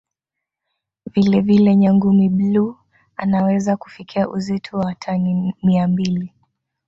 Vile vile Nyangumi bluu anaweza kufikia uzito wa tani mia mbili